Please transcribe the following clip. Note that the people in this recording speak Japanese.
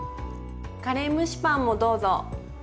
⁉カレー蒸しパンもどうぞ！